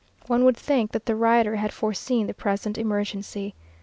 One would think that the writer had foreseen the present emergency.